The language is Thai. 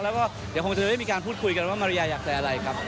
แล้วก็เดี๋ยวคงจะได้มีการพูดคุยกันว่ามาริยาอยากเจออะไรครับ